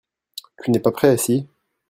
Tu n'es pas prêt ? Si.